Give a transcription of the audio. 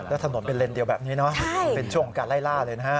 แล้วถนนเป็นเลนเดียวแบบนี้เนอะเป็นช่วงของการไล่ล่าเลยนะฮะ